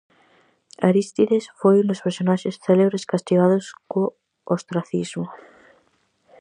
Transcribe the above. Arístides foi un dos personaxes célebres castigados co ostracismo.